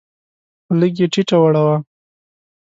لږ یې ټیټه وړوه.